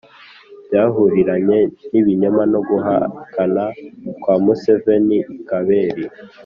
byahuriranye n’ibinyoma no guhakana kwa museveni i kabale